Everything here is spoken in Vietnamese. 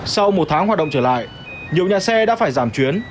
sau một tháng hoạt động trở lại nhiều nhà xe đã phải giảm chuyến